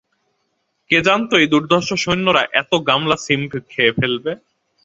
কে জানতো এই দুর্ধর্ষ সৈন্যরা এত গামলা সিম খেয়ে ফেলবে।